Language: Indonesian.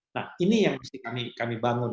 nah ini yang mesti kami bangun